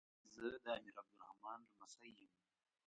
زه د امیر عبدالرحمان لمسی یم.